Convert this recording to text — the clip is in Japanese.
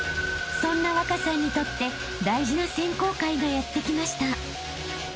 ［そんな稚さんにとって大事な選考会がやって来ました］